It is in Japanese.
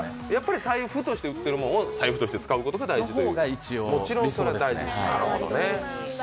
財布として売ってるものを財布として使うのが大事だと。